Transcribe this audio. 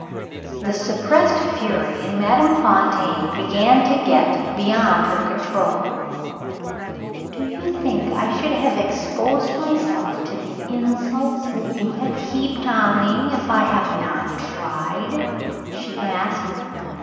The suppressed fury in Madame Fontaine began to get beyond her control. "Do you think I should have exposed myself to the insults that you have heaped upon me if I had not tried?" she asked.